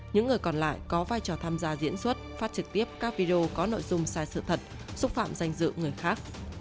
những người còn lại có vai trò tham gia diễn xuất phát trực tiếp các video có nội dung sai sự thật xúc phạm danh dự người khác